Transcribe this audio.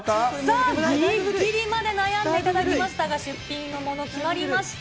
ぎりぎりまで悩んでいただきましたが、出品のもの、決まりました。